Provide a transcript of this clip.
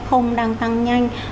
f đang tăng nhanh